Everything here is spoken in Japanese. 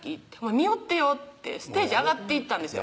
「見よってよ」ってステージ上がっていったんですよ